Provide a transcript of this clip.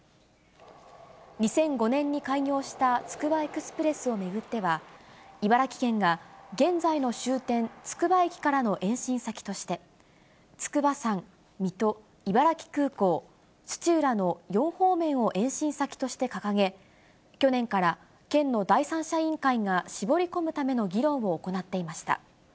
２００５年に開業したつくばエクスプレスを巡っては、茨城県が現在の終点、つくば駅からの延伸先として、筑波山、水戸、茨城空港、土浦の４方面を延伸先として掲げ、去年から県の第三者委員会が、絞り込むための議論を行っていました。